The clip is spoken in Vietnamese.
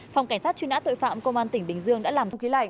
phòng cảnh sát truy nã tội phạm công an tỉnh bình dương đã làm thuê sinh sống